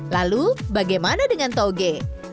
lalu bagaimana dengan toge